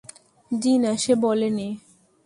জি-না, সে বলে নি।